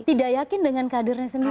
tidak yakin dengan kadernya sendiri